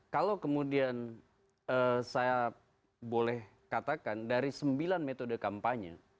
kalau kemudian saya boleh katakan dari sembilan metode kampanye